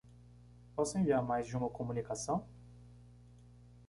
Posso enviar mais de uma comunicação?